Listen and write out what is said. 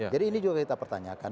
jadi ini juga kita pertanyakan